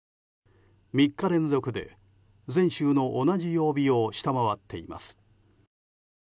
３日連続で前週の同じ曜日を下回っています。